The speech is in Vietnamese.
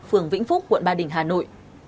phường vĩnh phúc quận ba đình hà nội